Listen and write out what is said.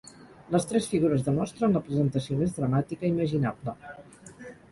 Les tres figures demostren la presentació més dramàtica imaginable.